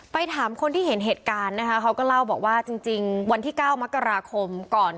ถามคนที่เห็นเหตุการณ์นะคะเขาก็เล่าบอกว่าจริงวันที่๙มกราคมก่อน